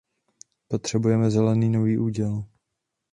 Potřebujeme zelený Nový úděl.